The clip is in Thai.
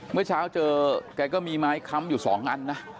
เมื่อเช้าเจอแกก็มีไม้ค้ำอยู่๒อันนะ